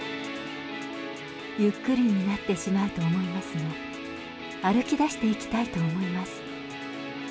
ゆっくりになってしまうと思いますが、歩きだしていきたいと思います。